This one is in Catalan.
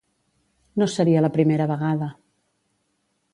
No seria la primera vegada.